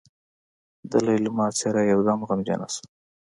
د ليلما څېره يودم غمجنه شوه.